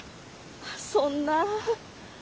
そんな。